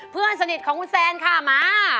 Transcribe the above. เพื่อนสนิทของคุณแซนค่ะมา